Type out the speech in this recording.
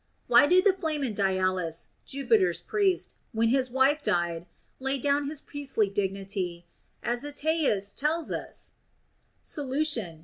Why did the Flamen Dialis (Jupiter's priest), when his wife died, lay down his priestly dignity, as Ateius tells us 1 Solution.